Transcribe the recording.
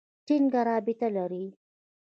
ټینګه رابطه لري.